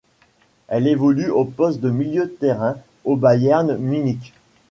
Elle évolue au poste de milieu de terrain au Bayern Munich.